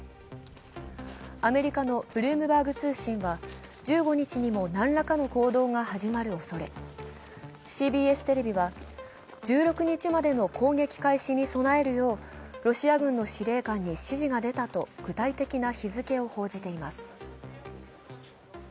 アメリカのブルームバーグ通信は１５日にも何らかの行動が始まるおそれ、ＣＢＳテレビは、１６日までの攻撃開始に備えるよう、ロシア軍の司令官に指示が出たと具体的な日付を報じています。